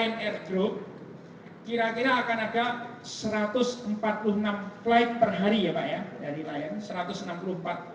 lain air group kira kira akan ada satu ratus empat puluh enam flight perhari ya pak ya dari layar